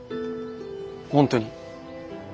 本当に。